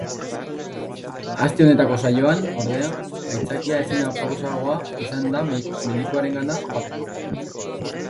Aste honetako saioan, ordea, aitzakia ezin aproposagoa izan da medikuarengana joateko.